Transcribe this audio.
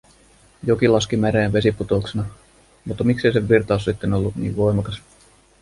Joki laski mereen vesiputouksena… Mutta miksei sen virtaus sitten ollut niin voimakas?